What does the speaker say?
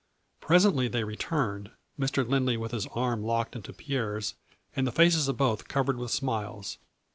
Presently they returned, Mr. Lindley with his arm locked into Pierre's and the faces of both covered with smiles.